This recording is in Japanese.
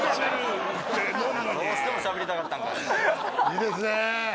いいですねぇ。